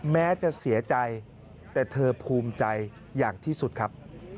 แม้จะเสียใจแต่เธอภูมิใจอย่างที่สุดครับ